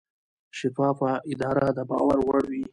شفافه اداره د باور وړ وي.